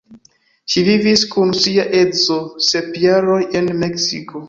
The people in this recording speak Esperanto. Ŝi vivis kun sia edzo sep jaroj en Meksiko.